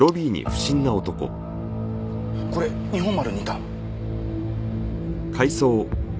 これ日本丸にいた。